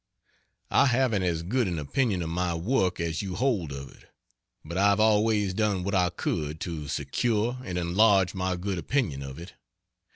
I haven't as good an opinion of my work as you hold of it, but I've always done what I could to secure and enlarge my good opinion of it.